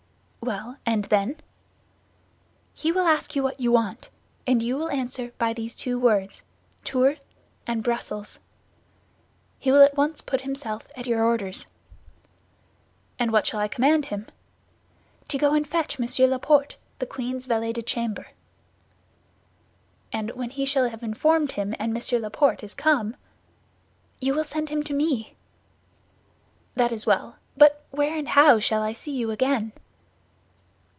"Well, and then?" "He will ask you what you want, and you will answer by these two words, 'Tours' and 'Bruxelles.' He will at once put himself at your orders." "And what shall I command him?" "To go and fetch Monsieur Laporte, the queen's valet de chambre." "And when he shall have informed him, and Monsieur Laporte is come?" "You will send him to me." "That is well; but where and how shall I see you again?"